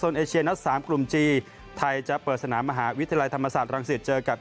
เอเชียนัดสามกลุ่มจีนไทยจะเปิดสนามมหาวิทยาลัยธรรมศาสตรังสิตเจอกับ